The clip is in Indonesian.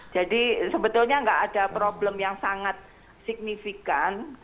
jadi sebetulnya tidak ada problem yang sangat signifikan